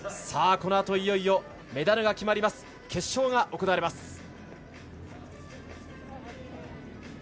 このあといよいよメダルが決まる決勝が行われます。